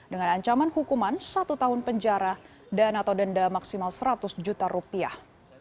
dengan ancaman hukuman satu tahun penjara dan atau denda maksimal seratus juta rupiah